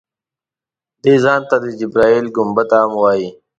دې ته د جبرائیل ګنبده هم وایي.